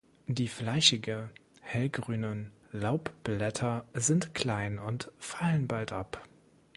Die fleischige, hellgrünen Laubblätter sind klein und fallen bald ab.